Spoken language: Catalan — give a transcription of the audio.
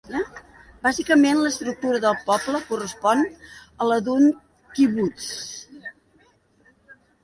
Bàsicament, l'estructura del poble correspon a la d'un quibuts.